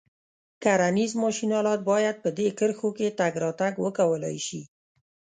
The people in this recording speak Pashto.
کرنیز ماشین آلات باید په دې کرښو کې تګ راتګ وکولای شي.